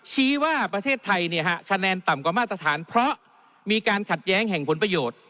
ชี้ว่าประเทศไทยคะแนนต่ำกว่ามาตรฐานเพราะมีการขัดแย้งแห่งผลประโยชน์